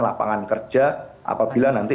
lapangan kerja apabila nanti